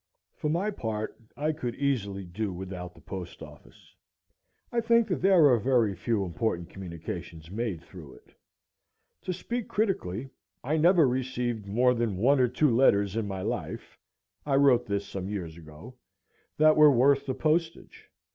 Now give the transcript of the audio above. For my part, I could easily do without the post office. I think that there are very few important communications made through it. To speak critically, I never received more than one or two letters in my life—I wrote this some years ago—that were worth the postage.